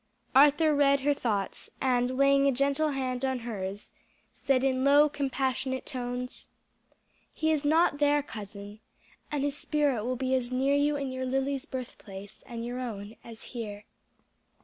Arthur read her thoughts, and laying a gentle hand on hers, said in low compassionate tones: "He is not there, cousin, and his spirit will be as near you in your Lily's birthplace, and your own, as here.